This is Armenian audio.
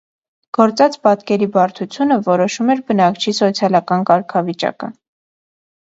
Գործած պատկերի բարդությունը որոշում էր բնակչի սոցիալական կարգավիճակը։